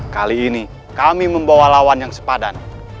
kali ini kami membawa lawan yang sepadan